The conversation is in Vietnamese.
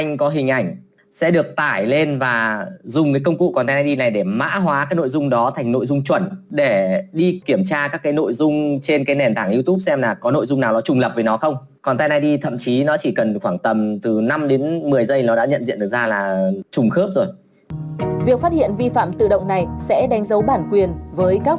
nhận diện được ra là trùng khớp rồi việc phát hiện vi phạm tự động này sẽ đánh dấu bản quyền với các